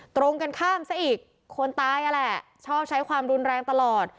ตรงกันข้ามซะอีกคนตายนั่นแหละชอบใช้ความรุนแรงตลอด